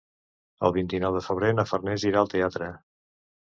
El vint-i-nou de febrer na Farners irà al teatre.